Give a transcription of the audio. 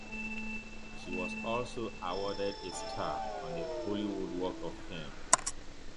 She was also awarded a star on the Hollywood Walk of Fame.